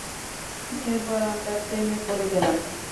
এরপর আমরা প্রেমে পড়ে গেলাম।